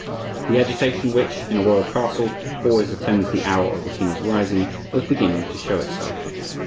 The agitation which, in a royal castle, always attends the hour of the king's rising, was beginning to show itself.